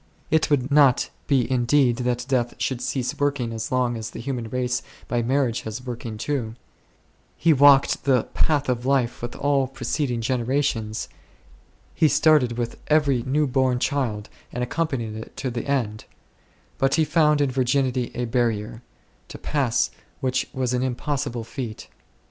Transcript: It could not be indeed that death should cease working as long as the human race by marriage was working too ; he walked the path of life with all preceding generations ; he started with every new born child and accompanied it to the end : but he found in virginity a barrier, to pass which was an impossible feat.